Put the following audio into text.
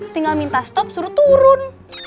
tinggal minta stop suruh turun